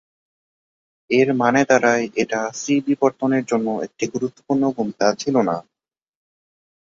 এর মানে দাড়ায় এটা সি বিবর্তনের জন্য একটি গুরুত্বপূর্ণ ভূমিকা ছিল না।